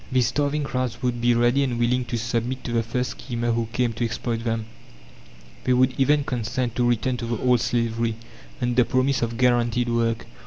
These starving crowds would be ready and willing to submit to the first schemer who came to exploit them; they would even consent to return to the old slavery, under promise of guaranteed work.